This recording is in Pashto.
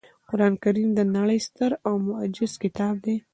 قرانکریم د نړۍ ستر او معجز کتاب دی